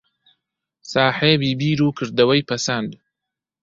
ساحێبی بیر و کردەوەی پەسەند